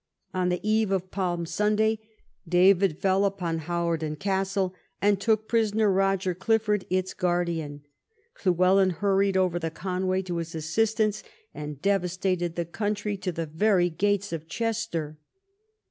On the eve of Palm Sunday, David fell upon Rhuddlan Castle and took prisoner Roger Cliftord, Edward's justiciar. Llywelyn hurried over the Con\\^y to his assistance, and devastated the country to the very gates of Chester.